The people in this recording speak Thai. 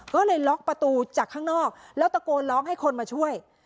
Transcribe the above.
ก็เลยล็อกประตูจากข้างนอกแล้วตะโกนร้องให้คนมาช่วย